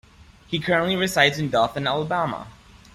He currently resides in Dothan, Alabama.